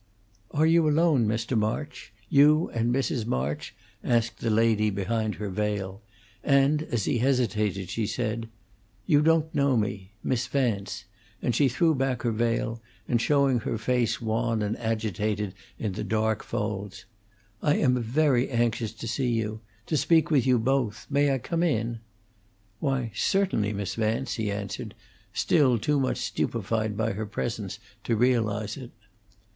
"Are you alone, Mr. March you and Mrs. March?" asked the lady, behind her veil; and, as he hesitated, she said: "You don't know me! Miss Vance"; and she threw back her veil, showing her face wan and agitated in the dark folds. "I am very anxious to see you to speak with you both. May I come in?" "Why, certainly, Miss Vance," he answered, still too much stupefied by her presence to realize it.